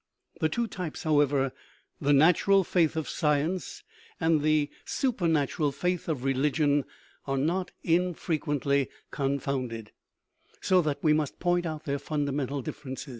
The two types, however the " natural " faith of science and the " supernatural " 300 KNOWLEDGE AND BELIEF faith of religion are not infrequently confounded, so that we must point out their fundamental differ ence.